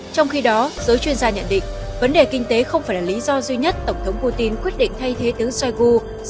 trong khi đó giới chuyên gia nhận định vấn đề kinh tế không phải là lý do duy nhất tổng thống putin quyết định thay thế tướng shoigu